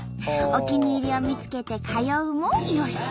お気に入りを見つけて通うもよし。